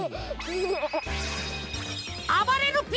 あばれるＰ！